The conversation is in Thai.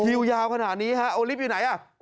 ยาวขนาดนี้ฮะโอลิฟต์อยู่ไหนอ่ะ